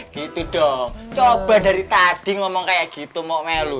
gitu dong coba dari tadi ngomong kayak gitu mau ngelu